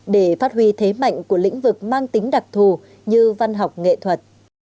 để phát huy thế mạnh của lĩnh vực mang tính đặc thù như văn học nghệ thuật